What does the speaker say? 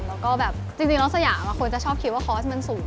แล้วก็แบบจริงแล้วสยามควรจะชอบคิดว่าคอร์สมันสูง